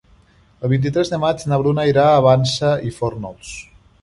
El vint-i-tres de maig na Bruna irà a la Vansa i Fórnols.